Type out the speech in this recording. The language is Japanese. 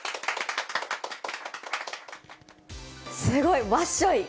すごい。